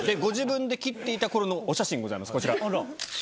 ご自分で切っていた頃のお写真ございますこちら。